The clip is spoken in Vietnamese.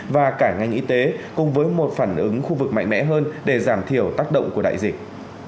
và cả ngành y tế cùng với một phản ứng khu vực mạnh mẽ hơn để giảm thiểu tác động của đại dịch